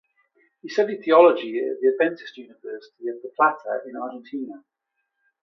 He studied theology at the Adventist University of the Plata in Argentina.